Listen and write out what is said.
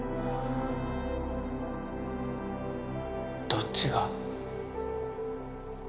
どっちが？